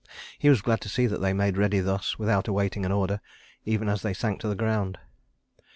He was glad to see that they made ready thus, without awaiting an order, even as they sank to the ground.